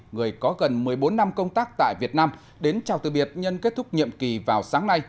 người có gần một mươi bốn năm công tác tại việt nam đến chào từ biệt nhân kết thúc nhiệm kỳ vào sáng nay